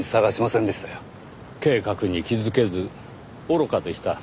計画に気づけず愚かでした。